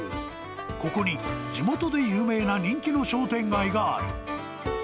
ここに地元で有名な人気の商店街がある。